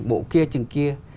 bộ kia chừng kia